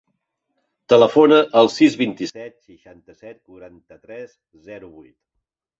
Telefona al sis, vint-i-set, seixanta-set, quaranta-tres, zero, vuit.